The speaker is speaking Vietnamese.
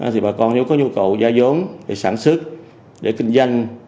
thì bà con nếu có nhu cầu gia giống để sản xuất để kinh doanh